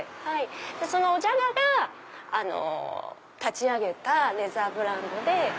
そのＯＪＡＧＡが立ち上げたレザーブランドで。